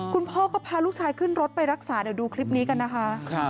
คุณพ่อก็พาลูกชายขึ้นรถไปรักษาเดี๋ยวดูคลิปนี้กันนะคะ